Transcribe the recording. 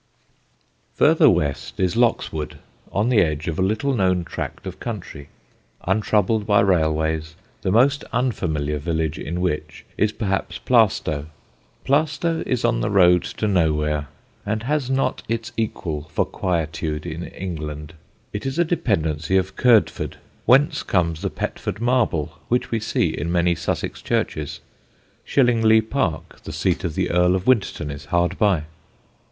Further west is Loxwood, on the edge of a little known tract of country, untroubled by railways, the most unfamiliar village in which is perhaps Plaistow. Plaistow is on the road to nowhere and has not its equal for quietude in England. It is a dependency of Kirdford, whence comes the Petworth marble which we see in many Sussex churches. Shillinglee Park, the seat of the Earl of Winterton, is hard by.